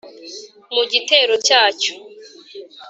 mu gitero cya cyo